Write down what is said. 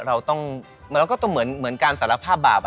เราก็เหมือนการสารภาพบาป